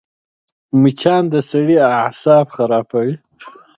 مچان د سړي اعصاب خرابوي